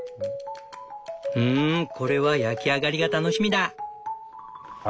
うんこれは焼き上がりが楽しみだ！